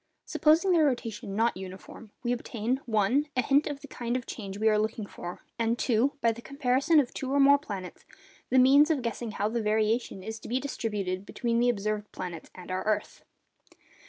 Supposing their rotation not uniform, we obtain—(1) a hint of the kind of change we are looking for; and (2), by the comparison of two or more planets, the means of guessing how the variation is to be distributed between the observed planets and our earth.